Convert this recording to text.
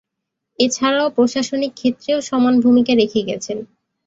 এছাড়াও, প্রশাসনিক ক্ষেত্রেও সমান ভূমিকা রেখে গেছেন।